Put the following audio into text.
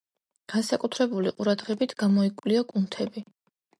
განსაკუთრებული ყურადღებით გამოიკვლია კუნთები.